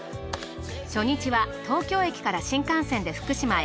初日は東京駅から新幹線で福島へ。